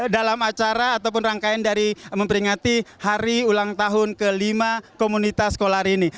dalam acara ataupun rangkaian dari memperingati hari ulang tahun kelima komunitas sekolahari ini